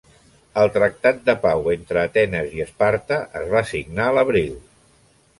El tractat de pau entre Atenes i Esparta es va signar l'abril.